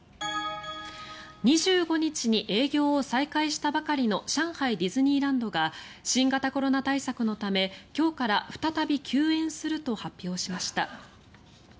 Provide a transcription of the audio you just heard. ２５日に営業を再開したばかりの上海ディズニーランドが新型コロナ対策のため今日から再び休園すると発表しました。